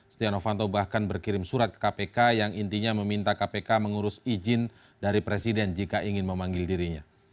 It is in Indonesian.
setia novanto bahkan berkirim surat ke kpk yang intinya meminta kpk mengurus izin dari presiden jika ingin memanggil dirinya